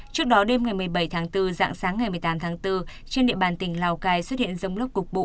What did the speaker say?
trước đó đêm một mươi bảy bốn dạng sáng một mươi tám bốn trên địa bàn tỉnh lào cai xuất hiện rồng lốc cục bụ